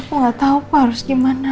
aku gak tau apa harus gimana